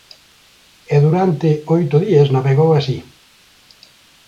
E durante oito días navegou así.